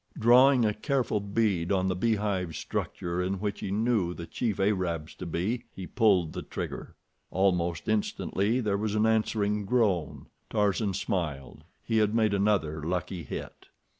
Drawing a careful bead on the beehive structure in which he knew the chief Arabs to be, he pulled the trigger. Almost instantly there was an answering groan. Tarzan smiled. He had made another lucky hit.